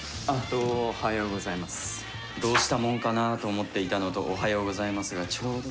「どうしたもんかなぁ」と思っていたのと「おはようございます」がちょうど。